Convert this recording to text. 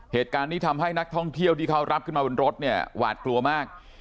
เหตุการณ์นี้ทำให้นักท่องเที่ยวที่เขารับขึ้นมาบนรถเนี่ยหวาดกลัวมาก